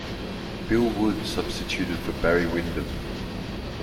Bill Wood substituted for Barry Windham.